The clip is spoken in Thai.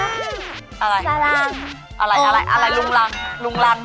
อะไรสารังอะไรอะไรอะไรลุงรังลุงรัง